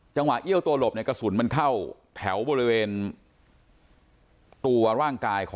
เอี้ยวตัวหลบเนี่ยกระสุนมันเข้าแถวบริเวณตัวร่างกายของ